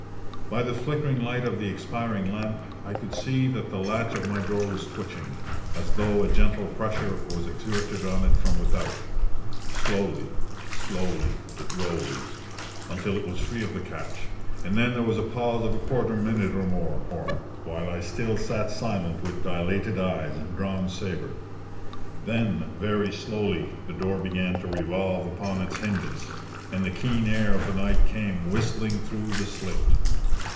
By the flickering light of the expiring lamp I could see that the latch of my door was twitching, as though a gentle pressure was exerted on it from without. Slowly, slowly, it rose, until it was free of the catch, and then there was a pause of a quarter minute or more, while I still eat silent with dilated eyes and drawn sabre. Then, very slowly, the door began to revolve upon its hinges, and the keen air of the night came whistling through the slit.